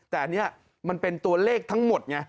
แต่อันนี้มันเป็นตัวเลขทั้งหมดไง